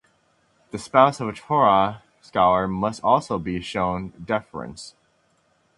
The spouse of a Torah scholar must also be shown deference.